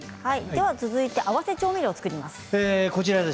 続いて合わせ調味料を作ります。